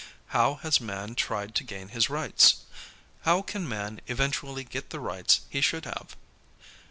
How has man tried to gain his rights? How can man eventually get the rights he should have?